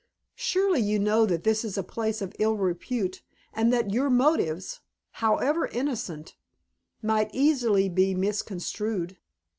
Surely you know that this is a place of ill repute and that your motives, however innocent, might easily be misconstrued."